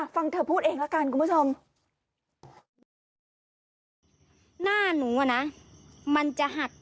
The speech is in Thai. ฟังเธอพูดเองละกันคุณผู้ชม